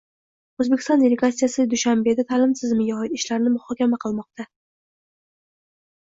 O‘zbekiston delegatsiyasi Dushanbeda ta’lim tizimiga oid ishlarni muhokama qilmoqdang